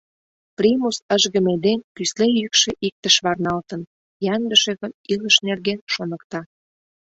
Примус ыжгыме ден кӱсле йӱкшӧ иктыш варналтын, Яндышевым илыш нерген шоныкта.